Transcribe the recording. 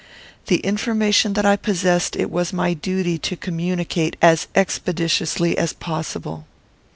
The information that I possessed it was my duty to communicate as expeditiously as possible.